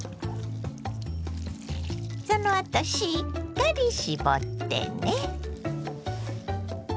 そのあとしっかり絞ってね。